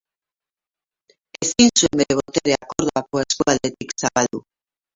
Ezin zuen bere boterea Kordobako eskualdetik zabaldu.